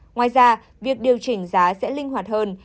ngoài ra việc điều chỉnh giá sẽ linh hoạt hơn